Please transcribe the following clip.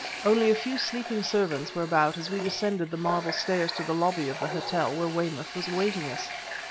Only a few sleeping servants were about as we descended the marble stairs to the lobby of the hotel where Weymouth was awaiting us.